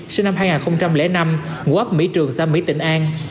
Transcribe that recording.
sinh năm hai nghìn năm ngũ áp mỹ trường xa mỹ tỉnh an